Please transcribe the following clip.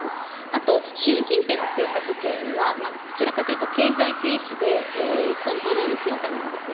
あと、習近平の政策テーマはどちらかというと経済軽視でコントロール強化なんです。